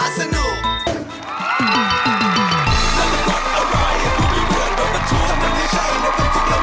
สวัสดีค่ะสวัสดีค่ะ